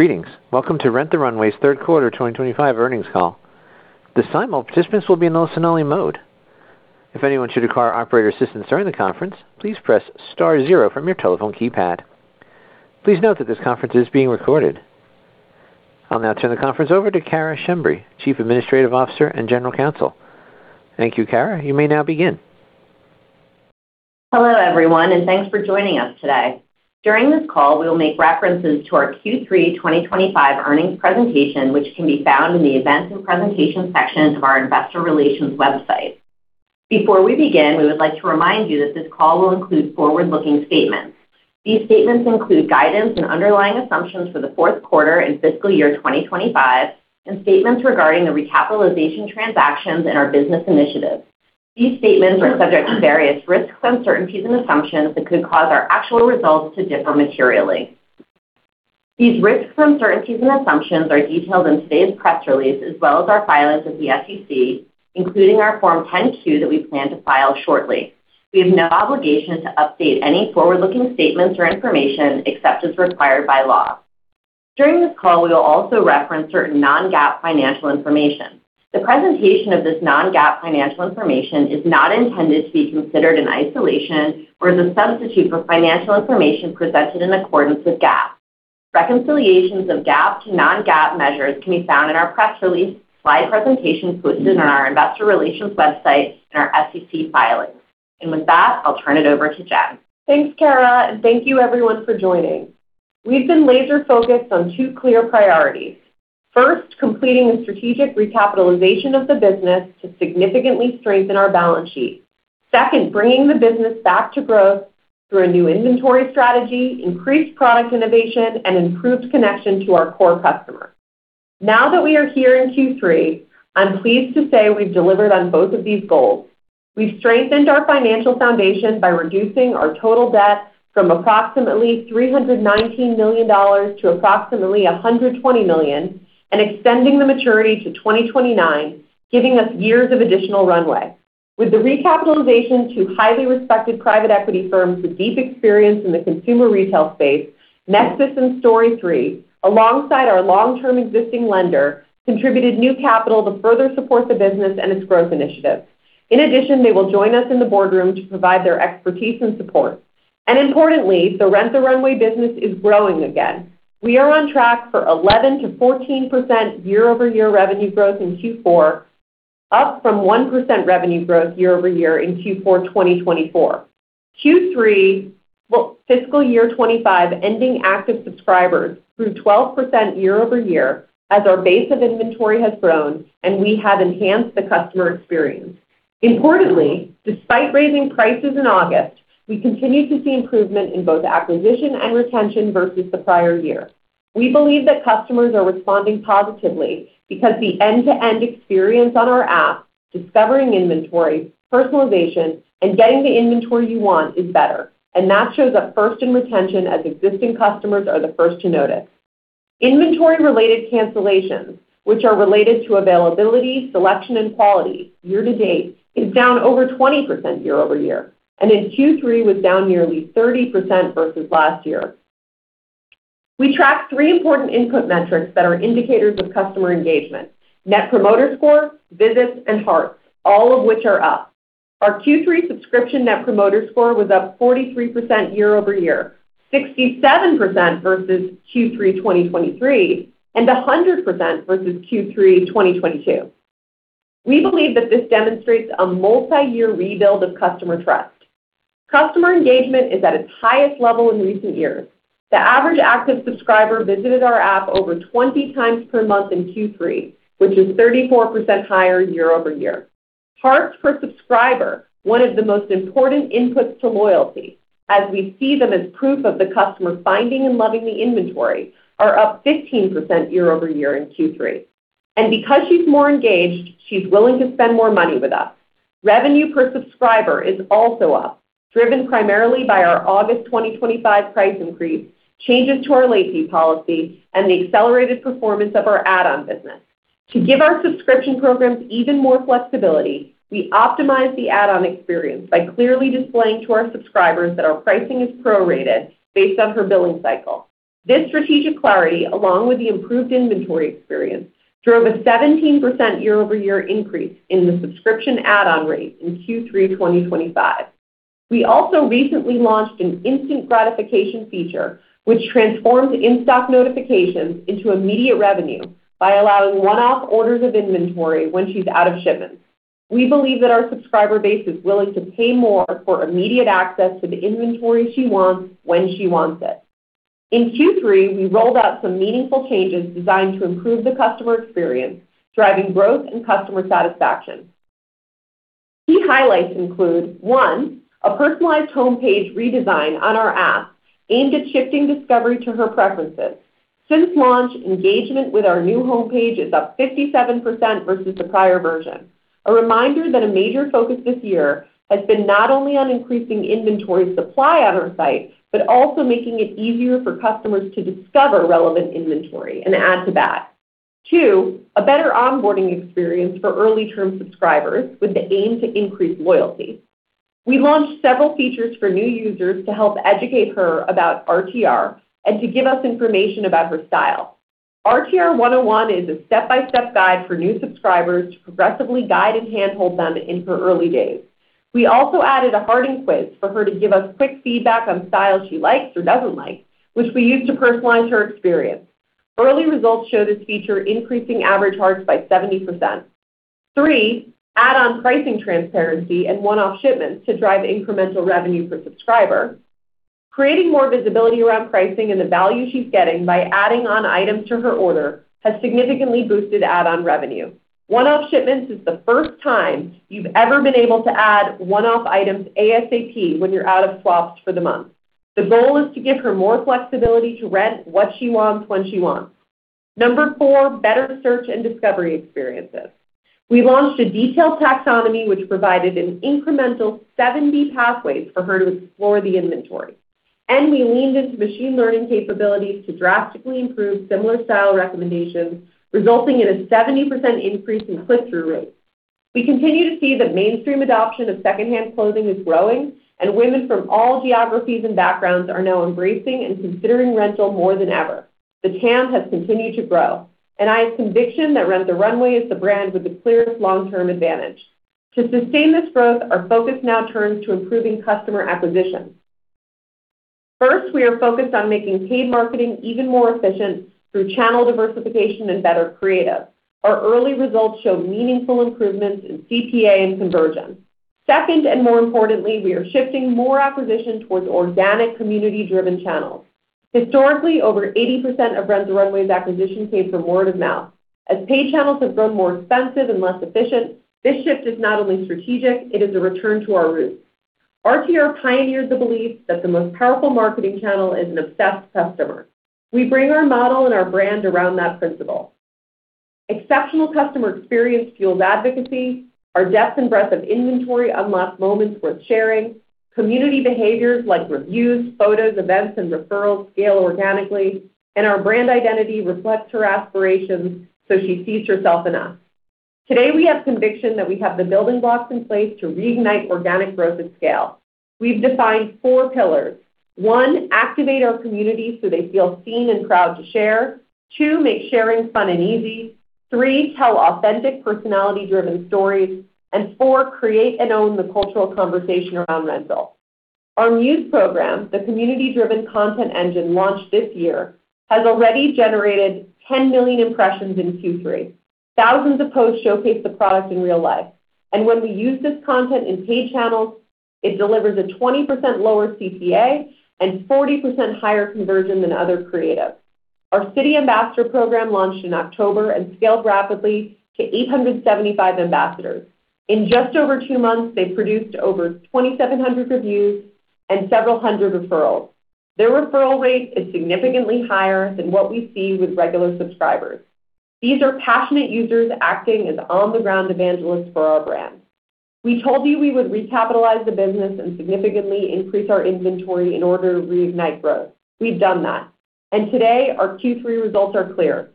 Greetings. Welcome to Rent the Runway's third quarter 2025 earnings call. This time all participants will be in the listen-only mode. If anyone should require operator assistance during the conference, please press star zero from your telephone keypad. Please note that this conference is being recorded. I'll now turn the conference over to Cara Schembri, Chief Administrative Officer and General Counsel. Thank you, Cara. You may now begin. Hello, everyone, and thanks for joining us today. During this call, we will make references to our Q3 2025 earnings presentation, which can be found in the events and presentation section of our investor relations website. Before we begin, we would like to remind you that this call will include forward-looking statements. These statements include guidance and underlying assumptions for the fourth quarter and fiscal year 2025, and statements regarding the recapitalization transactions and our business initiatives. These statements are subject to various risks, uncertainties, and assumptions that could cause our actual results to differ materially. These risks, uncertainties, and assumptions are detailed in today's press release, as well as our filings with the SEC, including our Form 10-Q that we plan to file shortly. We have no obligation to update any forward-looking statements or information except as required by law. During this call, we will also reference certain non-GAAP financial information. The presentation of this non-GAAP financial information is not intended to be considered in isolation or as a substitute for financial information presented in accordance with GAAP. Reconciliations of GAAP to non-GAAP measures can be found in our press release slide presentation posted on our investor relations website and our SEC filings, and with that, I'll turn it over to Jen. Thanks, Cara, and thank you, everyone, for joining. We've been laser-focused on two clear priorities. First, completing the strategic recapitalization of the business to significantly strengthen our balance sheet. Second, bringing the business back to growth through a new inventory strategy, increased product innovation, and improved connection to our core customer. Now that we are here in Q3, I'm pleased to say we've delivered on both of these goals. We've strengthened our financial foundation by reducing our total debt from approximately $319 million to approximately $120 million and extending the maturity to 2029, giving us years of additional runway. With the recapitalization to highly respected private equity firms with deep experience in the consumer retail space, Nexus and STORY3, alongside our long-term existing lender, contributed new capital to further support the business and its growth initiatives. In addition, they will join us in the boardroom to provide their expertise and support. And importantly, the Rent the Runway business is growing again. We are on track for 11%-14% year-over-year revenue growth in Q4, up from 1% revenue growth year-over-year in Q4 2024. Q3, well, fiscal year 2025, ending active subscribers grew 12% year-over-year as our base of inventory has grown, and we have enhanced the customer experience. Importantly, despite raising prices in August, we continue to see improvement in both acquisition and retention versus the prior year. We believe that customers are responding positively because the end-to-end experience on our app, discovering inventory, personalization, and getting the inventory you want is better. And that shows up first in retention as existing customers are the first to notice. Inventory-related cancellations, which are related to availability, selection, and quality year to date, are down over 20% year-over-year. In Q3, it was down nearly 30% versus last year. We track three important input metrics that are indicators of customer engagement: Net Promoter Score, visits, and hearts, all of which are up. Our Q3 subscription Net Promoter Score was up 43% year-over-year, 67% versus Q3 2023, and 100% versus Q3 2022. We believe that this demonstrates a multi-year rebuild of customer trust. Customer engagement is at its highest level in recent years. The average active subscriber visited our app over 20 times per month in Q3, which is 34% higher year-over-year. Hearts per subscriber, one of the most important inputs to loyalty, as we see them as proof of the customer finding and loving the inventory, are up 15% year-over-year in Q3. Because she's more engaged, she's willing to spend more money with us. Revenue per subscriber is also up, driven primarily by our August 2025 price increase, changes to our late fee policy, and the accelerated performance of our add-on business. To give our subscription programs even more flexibility, we optimize the add-on experience by clearly displaying to our subscribers that our pricing is prorated based on her billing cycle. This strategic clarity, along with the improved inventory experience, drove a 17% year-over-year increase in the subscription add-on rate in Q3 2025. We also recently launched an instant gratification feature, which transforms in-stock notifications into immediate revenue by allowing one-off orders of inventory when she's out of shipments. We believe that our subscriber base is willing to pay more for immediate access to the inventory she wants when she wants it. In Q3, we rolled out some meaningful changes designed to improve the customer experience, driving growth and customer satisfaction. Key highlights include: one, a personalized homepage redesign on our app aimed at shifting discovery to her preferences. Since launch, engagement with our new homepage is up 57% versus the prior version. A reminder that a major focus this year has been not only on increasing inventory supply on our site but also making it easier for customers to discover relevant inventory and add to that. Two, a better onboarding experience for early-term subscribers with the aim to increase loyalty. We launched several features for new users to help educate her about RTR and to give us information about her style. RTR 101 is a step-by-step guide for new subscribers to progressively guide and handhold them in her early days. We also added a hearting quiz for her to give us quick feedback on styles she likes or doesn't like, which we used to personalize her experience. Early results show this feature increasing average hearts by 70%. three, add-on pricing transparency and one-off shipments to drive incremental revenue per subscriber. Creating more visibility around pricing and the value she's getting by adding on items to her order has significantly boosted add-on revenue. One-off shipments is the first time you've ever been able to add one-off items ASAP when you're out of swaps for the month. The goal is to give her more flexibility to rent what she wants when she wants. number four, better search and discovery experiences. We launched a detailed taxonomy which provided an incremental 70 pathways for her to explore the inventory. We leaned into machine learning capabilities to drastically improve similar-style recommendations, resulting in a 70% increase in click-through rates. We continue to see that mainstream adoption of secondhand clothing is growing, and women from all geographies and backgrounds are now embracing and considering rental more than ever. The TAM has continued to grow. I have conviction that Rent the Runway is the brand with the clearest long-term advantage. To sustain this growth, our focus now turns to improving customer acquisition. First, we are focused on making paid marketing even more efficient through channel diversification and better creative. Our early results show meaningful improvements in CPA and conversion. Second, and more importantly, we are shifting more acquisition towards organic community-driven channels. Historically, over 80% of Rent the Runway's acquisition came from word of mouth. As paid channels have grown more expensive and less efficient, this shift is not only strategic. It is a return to our roots. RTR pioneered the belief that the most powerful marketing channel is an obsessed customer. We bring our model and our brand around that principle. Exceptional customer experience fuels advocacy. Our depth and breadth of inventory unlock moments worth sharing. Community behaviors like reviews, photos, events, and referrals scale organically, and our brand identity reflects her aspirations, so she sees herself in us. Today, we have conviction that we have the building blocks in place to reignite organic growth at scale. We've defined four pillars. One, activate our community so they feel seen and proud to share. Two, make sharing fun and easy. Three, tell authentic personality-driven stories. And four, create and own the cultural conversation around rental. Our Muse Program, the community-driven content engine launched this year, has already generated 10 million impressions in Q3. Thousands of posts showcase the product in real life. And when we use this content in paid channels, it delivers a 20% lower CPA and 40% higher conversion than other creatives. Our City Ambassador Program launched in October and scaled rapidly to 875 ambassadors. In just over two months, they produced over 2,700 reviews and several hundred referrals. Their referral rate is significantly higher than what we see with regular subscribers. These are passionate users acting as on-the-ground evangelists for our brand. We told you we would recapitalize the business and significantly increase our inventory in order to reignite growth. We've done that. And today, our Q3 results are clear.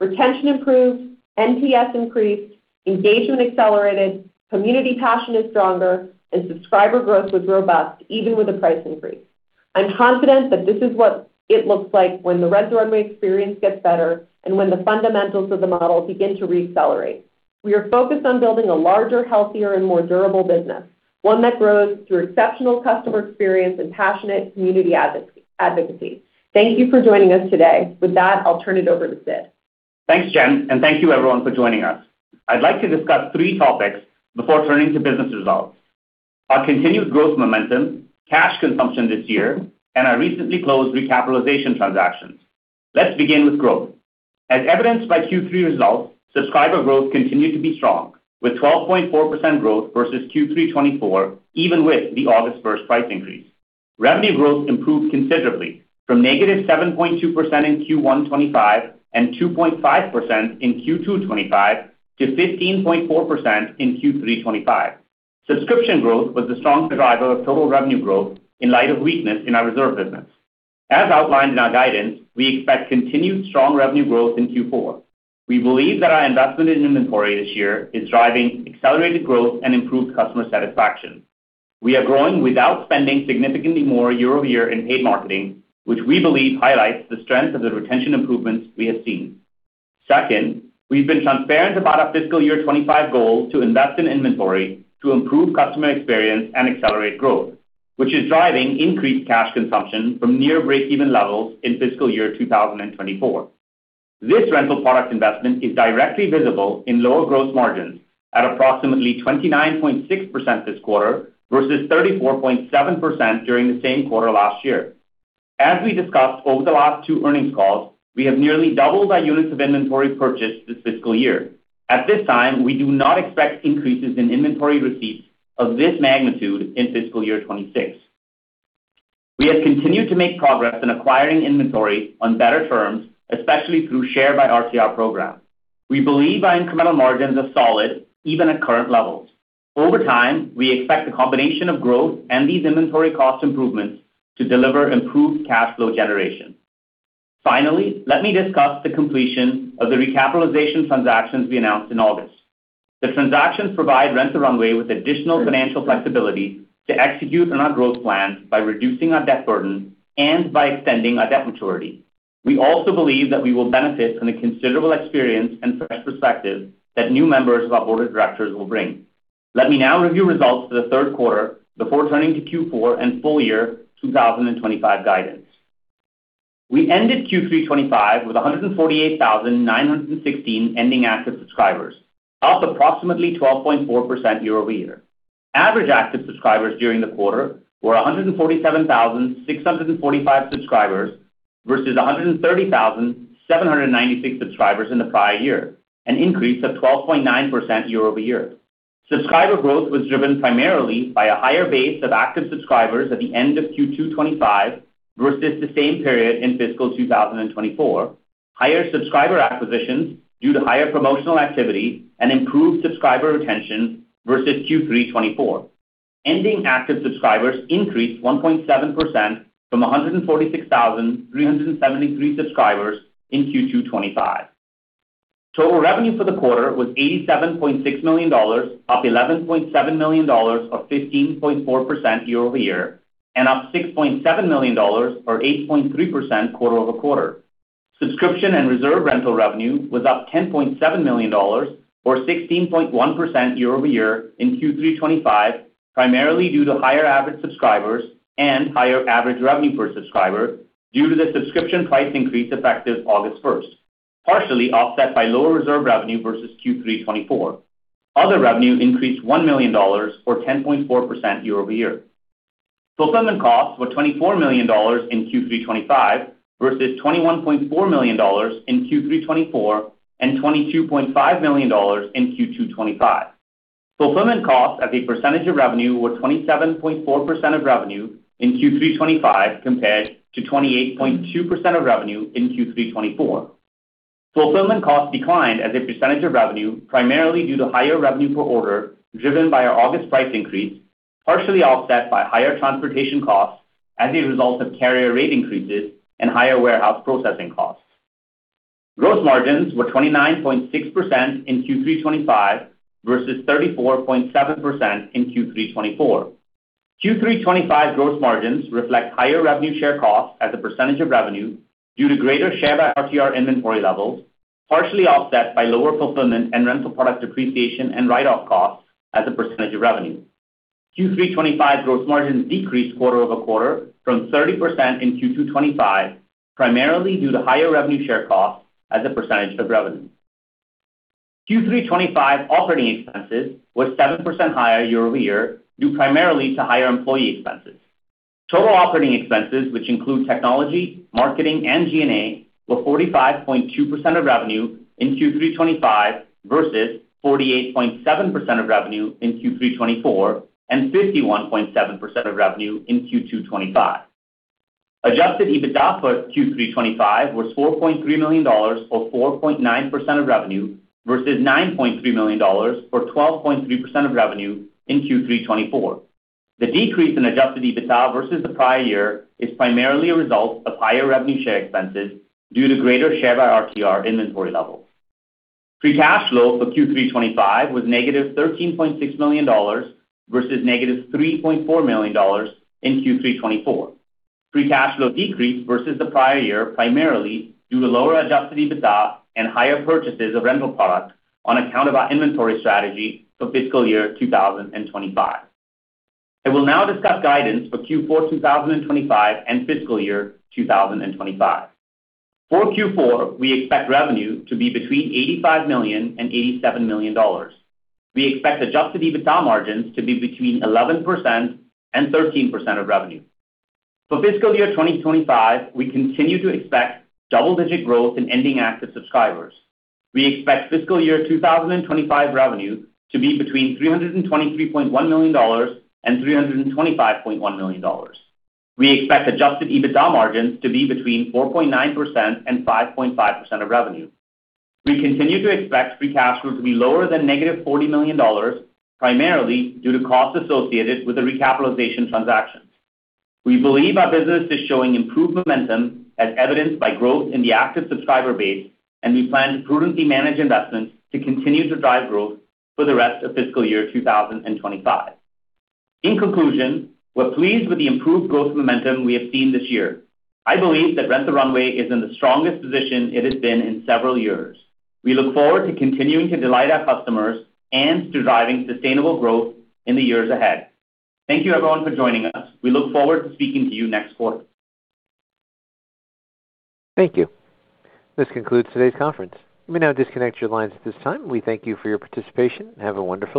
Retention improved, NPS increased, engagement accelerated, community passion is stronger, and subscriber growth was robust, even with a price increase. I'm confident that this is what it looks like when the Rent the Runway experience gets better and when the fundamentals of the model begin to reaccelerate. We are focused on building a larger, healthier, and more durable business, one that grows through exceptional customer experience and passionate community advocacy. Thank you for joining us today. With that, I'll turn it over to Sid. Thanks, Jen, and thank you, everyone, for joining us. I'd like to discuss three topics before turning to business results: our continued growth momentum, cash consumption this year, and our recently closed recapitalization transactions. Let's begin with growth. As evidenced by Q3 results, subscriber growth continued to be strong, with 12.4% growth versus Q3 2024, even with the August 1st price increase. Revenue growth improved considerably from -7.2% in Q1 2025 and 2.5% in Q2 2025 to 15.4% in Q3 2025. Subscription growth was the strongest driver of total revenue growth in light of weakness in our reserve business. As outlined in our guidance, we expect continued strong revenue growth in Q4. We believe that our investment in inventory this year is driving accelerated growth and improved customer satisfaction. We are growing without spending significantly more year-over-year in paid marketing, which we believe highlights the strength of the retention improvements we have seen. Second, we've been transparent about our fiscal year 2025 goal to invest in inventory to improve customer experience and accelerate growth, which is driving increased cash consumption from near break-even levels in fiscal year 2024. This rental product investment is directly visible in lower gross margins at approximately 29.6% this quarter versus 34.7% during the same quarter last year. As we discussed over the last two earnings calls, we have nearly doubled our units of inventory purchased this fiscal year. At this time, we do not expect increases in inventory receipts of this magnitude in fiscal year 2026. We have continued to make progress in acquiring inventory on better terms, especially through the Share by RTR program. We believe our incremental margins are solid, even at current levels. Over time, we expect the combination of growth and these inventory cost improvements to deliver improved cash flow generation. Finally, let me discuss the completion of the recapitalization transactions we announced in August. The transactions provide Rent the Runway with additional financial flexibility to execute on our growth plans by reducing our debt burden and by extending our debt maturity. We also believe that we will benefit from the considerable experience and fresh perspective that new members of our board of directors will bring. Let me now review results for the Q3 before turning to Q4 and full year 2025 guidance. We ended Q3 2025 with 148,916 ending active subscribers, up approximately 12.4% year-over-year. Average active subscribers during the quarter were 147,645 subscribers versus 130,796 subscribers in the prior year, an increase of 12.9% year-over-year. Subscriber growth was driven primarily by a higher base of active subscribers at the end of Q2 2025 versus the same period in fiscal 2024, higher subscriber acquisitions due to higher promotional activity, and improved subscriber retention versus Q3 2024. Ending active subscribers increased 1.7% from 146,373 subscribers in Q2 2025. Total revenue for the quarter was $87.6 million, up $11.7 million or 15.4% year-over-year, and up $6.7 million or 8.3% quarter-over-quarter. Subscription and reserve rental revenue was up $10.7 million or 16.1% year-over-year in Q3 2025, primarily due to higher average subscribers and higher average revenue per subscriber due to the subscription price increase effective August 1st, partially offset by lower reserve revenue versus Q3 2024. Other revenue increased $1 million or 10.4% year-over-year. Fulfillment costs were $24 million in Q3 2025 versus $21.4 million in Q3 2024 and $22.5 million in Q2 2025. Fulfillment costs as a percentage of revenue were 27.4% of revenue in Q3 2025 compared to 28.2% of revenue in Q3 2024. Fulfillment costs declined as a percentage of revenue, primarily due to higher revenue per order driven by our August price increase, partially offset by higher transportation costs as a result of carrier rate increases and higher warehouse processing costs. Gross margins were 29.6% in Q3 2025 versus 34.7% in Q3 2024. Q3 2025 gross margins reflect higher revenue share costs as a percentage of revenue due to greater Share by RTR inventory levels, partially offset by lower fulfillment and rental product depreciation and write-off costs as a percentage of revenue. Q3 2025 gross margins decreased quarter over quarter from 30% in Q2 2025, primarily due to higher revenue share costs as a percentage of revenue. Q3 2025 operating expenses were 7% higher year-over-year due primarily to higher employee expenses. Total operating expenses, which include technology, marketing, and G&A, were 45.2% of revenue in Q3 2025 versus 48.7% of revenue in Q3 2024 and 51.7% of revenue in Q2 2025. Adjusted EBITDA for Q3 2025 was $4.3 million or 4.9% of revenue versus $9.3 million or 12.3% of revenue in Q3 2024. The decrease in adjusted EBITDA versus the prior year is primarily a result of higher revenue share expenses due to greater Share by RTR inventory levels. Free cash flow for Q3 2025 was -$13.6 million versus -$3.4 million in Q3 2024. cash flow decreased versus the prior year primarily due to lower Adjusted EBITDA and higher purchases of rental products on account of our inventory strategy for fiscal year 2025. I will now discuss guidance for Q4 2025 and fiscal year 2025. For Q4, we expect revenue to be between $85 million and $87 million. We expect Adjusted EBITDA margins to be between 11% and 13% of revenue. For fiscal year 2025, we continue to expect double-digit growth in ending active subscribers. We expect fiscal year 2025 revenue to be between $323.1 million and $325.1 million. We expect Adjusted EBITDA margins to be between 4.9% and 5.5% of revenue. We continue to expect free cash flow to be lower than -$40 million, primarily due to costs associated with the recapitalization transactions. We believe our business is showing improved momentum, as evidenced by growth in the active subscriber base, and we plan to prudently manage investments to continue to drive growth for the rest of fiscal year 2025. In conclusion, we're pleased with the improved growth momentum we have seen this year. I believe that Rent the Runway is in the strongest position it has been in several years. We look forward to continuing to delight our customers and to driving sustainable growth in the years ahead. Thank you, everyone, for joining us. We look forward to speaking to you next quarter. Thank you. This concludes today's conference. You may now disconnect your lines at this time. We thank you for your participation and have a wonderful day.